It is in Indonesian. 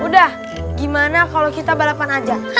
udah gimana kalau kita balapan aja